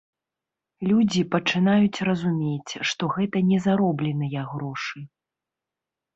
Людзі пачынаюць разумець, што гэта не заробленыя грошы.